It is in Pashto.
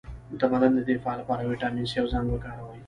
د بدن د دفاع لپاره ویټامین سي او زنک وکاروئ